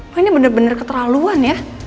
lo ini bener bener keterlaluan ya